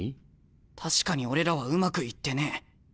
確かに俺らはうまくいってねえ。